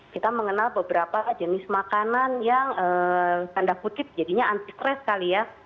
kita mengenal beberapa jenis makanan yang tanda kutip jadinya anti stres kali ya